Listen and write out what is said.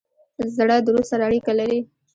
زړه د روح سره اړیکه لري.